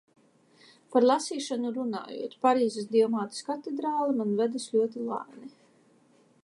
Par lasīšanu runājot, "Parīzes Dievmātes katedrāle" man vedas ļoti lēni.